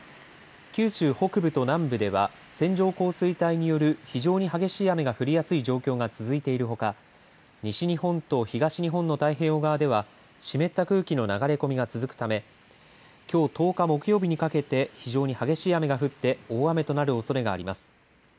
九州北部と南部では線状降水帯による非常に激しい雨が降りやすい状況が続いているほか西日本と東日本の太平洋側では湿った空気の流れ込みが続くためきょう１０日木曜日にかけて非常に激しい雨が降って大雨となるおそれがあります。